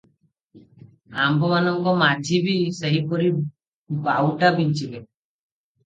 ଆମ୍ଭମାନଙ୍କ ମାଝି ବି ସେହିପରି ବାଉଟା ବିଞ୍ଚିଲେ ।